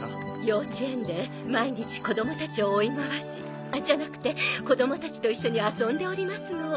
幼稚園で毎日子供たちを追いまわしじゃなくて子供たちと一緒に遊んでおりますの。